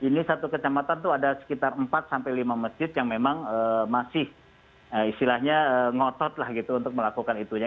ini satu kecamatan itu ada sekitar empat sampai lima masjid yang memang masih istilahnya ngotot lah gitu untuk melakukan itunya